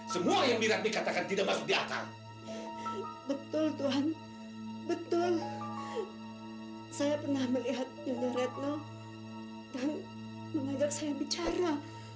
seperti kasus yang terjadi di medan beberapa bulan yang lalu